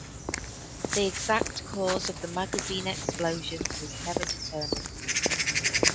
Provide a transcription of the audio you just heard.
The exact cause of the magazine explosion was never determined.